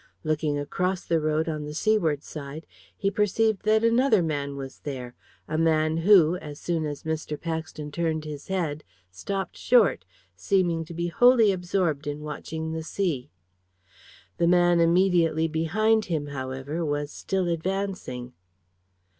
Looking across the road, on the seaward side, he perceived that another man was there a man who, as soon as Mr. Paxton turned his head, stopped short, seeming to be wholly absorbed in watching the sea. The man immediately behind him, however, was still advancing.